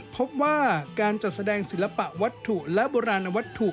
พบว่าการจัดแสดงศิลปะวัตถุและโบราณวัตถุ